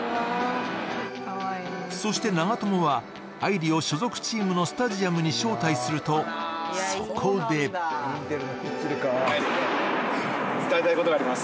そして長友は愛梨を所属チームのスタジアムに招待すると、そこで伝えたいことがあります。